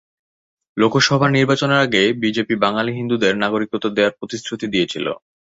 লোকসভা নির্বাচনের আগে বিজেপি বাঙালি হিন্দুদের নাগরিকত্ব দেওয়ার প্রতিশ্রুতি দিয়েছিল।